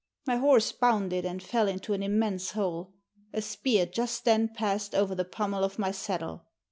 My horse bounded and fell into an immense hole. A spear just then passed over the pummel of my saddle.